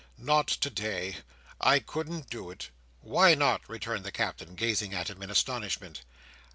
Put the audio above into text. "Not today. I couldn't do it!" "Why not?" returned the Captain, gazing at him in astonishment.